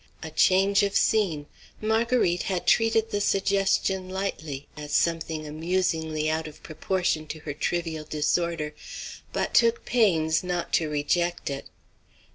A change of scene. Marguerite had treated the suggestion lightly, as something amusingly out of proportion to her trivial disorder, but took pains not to reject it.